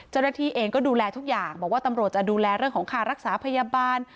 เจ้าหน้าที่เองก็ดูแลทุกอย่างบอกว่าตำรวจจะดูแลเรื่องของค่ารักษาพยาบาล